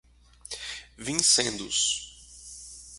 vincendos